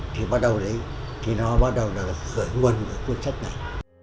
thì bắt đầu đấy thì nó bắt đầu là khởi nguồn của cuốn sách này